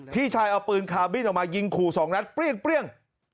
พี่ชายเอาปืนคาบินออกมายิงขู่สองนัดเปรี้ยง